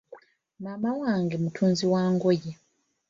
Maama wange mutunzi wa ngoye.